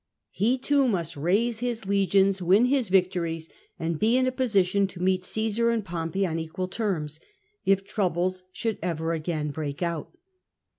He too must raise his legions, win his victories, and be in a position to meet C^sar and Pompey on equal terms, if troubles should ever again break out.